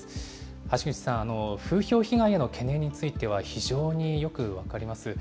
橋口さん、風評被害への懸念については、非常によく分かります。